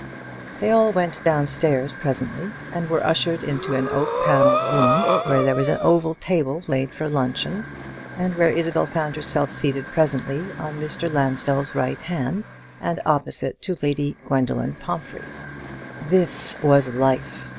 They all went down stairs presently, and were ushered into an oak paneled room, where there was an oval table laid for luncheon, and where Isabel found herself seated presently on Mr. Lansdell's right hand, and opposite to Lady Gwendoline Pomphrey. This was life.